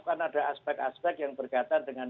karena ada aspek aspek yang berkaitan dengan